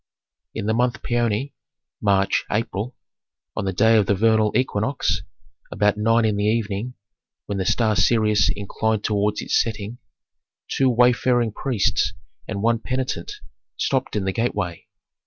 In the month Paoni (March April), on the day of the vernal equinox, about nine in the evening, when the star Sirius inclined toward its setting, two wayfaring priests and one penitent stopped in the gateway.